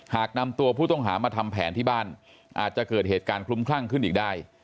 หากนำตัวผู้ต้องหามาทำแผนที่บ้านอาจจะเกิดเหตุการณ์คลุ้มคลั่งขึ้นอีกได้